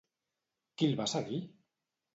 Qui el va seguir?